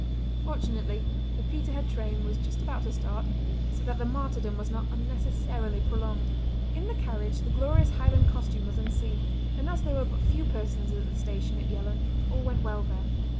Fortunately the Peterhead train was just about to start, so that the martyrdom was not unnecessarily prolonged. In the carriage the glorious Highland costume was unseen, and as there were but few persons at the station at Yellon, all went well there.